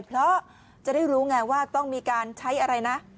เพราะจะได้รู้ไงว่าต้องมีการใช้อะไรนะ